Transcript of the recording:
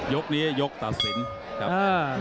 ยกนี้ยกตัดสินครับ